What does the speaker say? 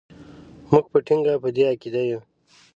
موږ په ټینګه په دې عقیده یو.